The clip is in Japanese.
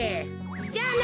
じゃあな！